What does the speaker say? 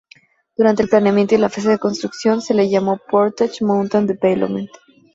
Durante el planeamiento y la fase de construcción se le llamó "Portage Mountain Development.